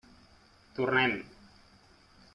Tornem.